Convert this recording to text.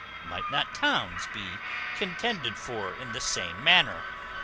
Might not towns be contended for in the same manner?